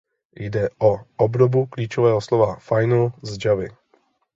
Jde o obdobu klíčového slova "final" z Javy.